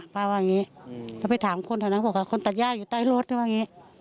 ป้าว่าอย่างงี้แล้วไปถามคนเท่านั้นบอกว่าคนตัดย่าอยู่ใต้รถหรือว่าอย่างงี้